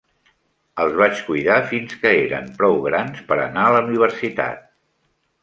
Els vaig cuidar fins que eren prou grans per anar a la universitat.